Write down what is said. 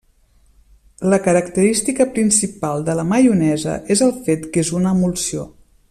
La característica principal de la maionesa és el fet que és una emulsió.